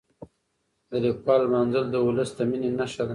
د لیکوالو لمانځل د ولس د مینې نښه ده.